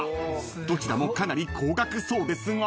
［どちらもかなり高額そうですが］